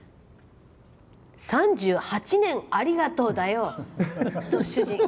３８年ありがとうだよ！と主人。